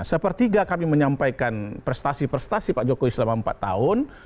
sepertiga kami menyampaikan prestasi prestasi pak jokowi selama empat tahun